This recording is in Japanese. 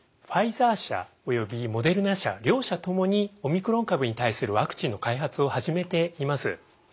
ファイザー社およびモデルナ社両社ともにオミクロン株に対するワクチンの開発を始めています。